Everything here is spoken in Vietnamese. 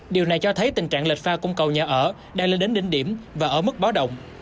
điều này cho thấy tình trạng lệch pha cung cầu nhà ở đang lên đến đỉnh điểm và ở mức báo động